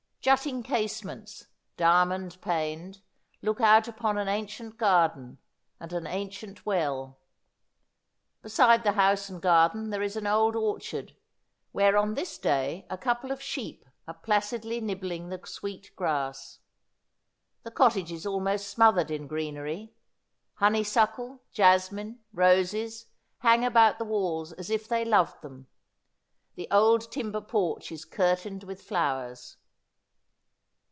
Jutting casements, diamond paned, look out upon an ancient garden, and an ancient well. Beside the house and garden there is an old orchard, where on this day a couple of sheep are placidly nibbling the sweet grass. The cottage is almost smothered in greenery. Honeysuckle, jasmine, roses, hang about the walls as if they loved them. The old timber porch is curtained with flowers.